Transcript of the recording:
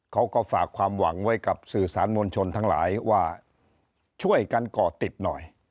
เขาก็ฝากความหวังไว้กับสื่อสารมวลชนทั้งหลายว่าช่วยกันก่อติดหน่อย